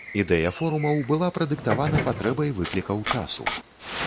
Ідэя форумаў была прадыктавана патрэбай выклікаў часу.